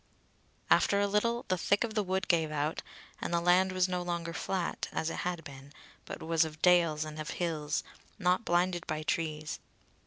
After a little the thick of the wood gave out, and the land was no longer flat, as it had been, but was of dales and of hills, not blinded by trees.